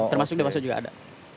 termasuk dewasa juga ada